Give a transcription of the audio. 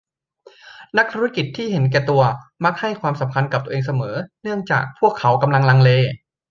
นักธุรกิจที่เห็นแก่ตัวมักให้ความสำคัญกับตัวเองเสมอเนื่องจากพวกเขากำลังลังเล